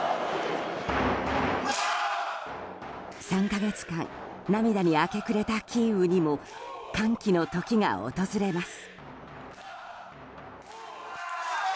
３か月間、涙に明け暮れたキーウにも歓喜の時が訪れます。